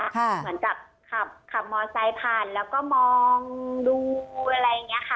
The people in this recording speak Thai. เหมือนกับขับมอไซค์ผ่านแล้วก็มองดูอะไรอย่างนี้ค่ะ